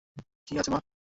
কী আছে, মা?